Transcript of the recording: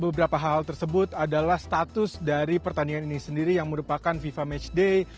beberapa hal tersebut adalah status dari pertandingan ini sendiri yang merupakan fifa matchday